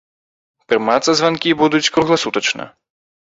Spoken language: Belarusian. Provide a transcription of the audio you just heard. Прымацца званкі будуць кругласутачна.